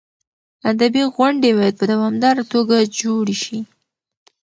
ادبي غونډې باید په دوامداره توګه جوړې شي.